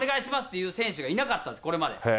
言う選手がいなかったんです、これまで。